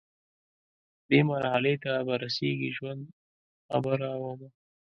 دې مرحلې ته به رسیږي ژوند، خبره ومه